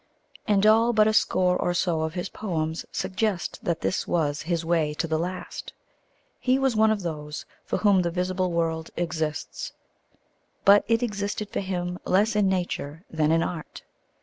And all but a score or so of his poems suggest that this was his way to the last. He was one of those for whom the visible world exists. But it existed for him less in nature than in art.